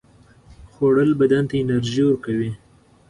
خوړل بدن ته انرژي ورکوي